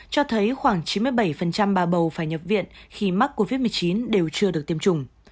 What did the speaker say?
cho thấy khoảng chín mươi bảy bà bầu phải nhập viện khi mắc covid một mươi chín đều chưa được tiêm chủng